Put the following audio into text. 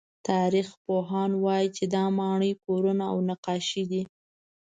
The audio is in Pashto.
تاریخپوهان وایي چې دا ماڼۍ، کورونه او نقاشۍ دي.